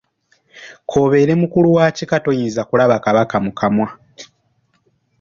K’obeere mukulu wa kika toyinza kulaba Kabaka mu kamwa.